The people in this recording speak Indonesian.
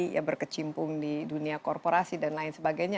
ya berkecimpung di dunia korporasi dan lain sebagainya